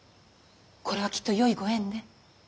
これはきっとよいご縁ね。